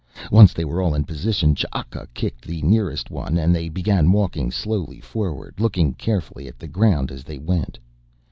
Once they were all in position Ch'aka kicked the nearest one and they began walking slowly forward looking carefully at the ground as they went.